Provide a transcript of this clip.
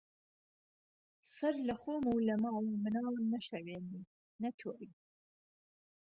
سهر له خوهم و له ماڵو مناڵم نهشێوێنی، نهتۆری